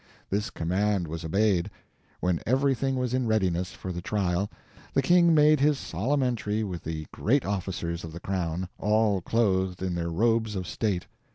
This command was obeyed. When everything was in readiness for the trial, the king made his solemn entry with the great officers of the crown, all clothed in their robes of state.